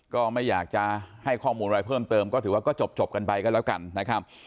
ก็ไม่อยากจะให้ข้อมูลอะไรเพิ่มเติมก็ถือว่าก็จบกันไปก็แล้วกันนะครับ